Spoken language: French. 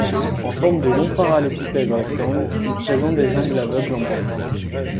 En forme de long parallélépipède rectangle, il présente des angles aveugles en briques.